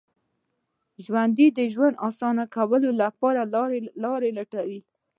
ژوندي د ژوند اسانه کولو لارې لټوي